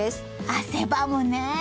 汗ばむね。